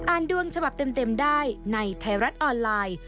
ดวงฉบับเต็มได้ในไทยรัฐออนไลน์